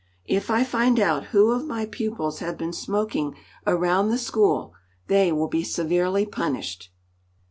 If I find out who of my pupils have been smoking around the school they will be severely punished."